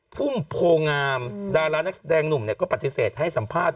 พุ่มโพงามดารานักแสดงหนุ่มก็ปฏิเสธให้สัมภาษณ